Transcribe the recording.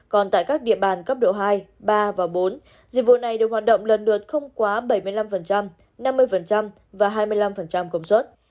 còn tại các địa bàn cấp độ hai ba và bốn dịch vụ này được hoạt động lần lượt không quá bảy mươi năm năm mươi và hai mươi năm công suất